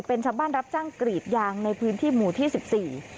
เป็นชาวบ้านรับจ้างกรีดยางในพื้นที่หมู่ที่สิบสี่